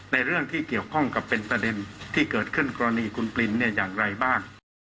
เรื่องที่เกี่ยวข้องกับเป็นประเด็นที่เกิดขึ้นกรณีคุณปรินเนี่ยอย่างไรบ้าง